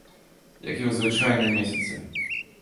Як і ў звычайныя месяцы.